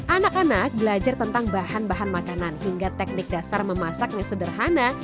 anak anak belajar tentang bahan bahan makanan hingga teknik dasar memasaknya sederhana